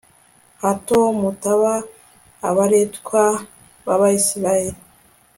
hato mutaba abaretwa b'abayisraheli